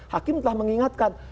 hakim telah mengingatkan